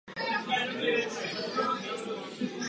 Joystick se původně využíval v letectví na ovládání křídel letadel.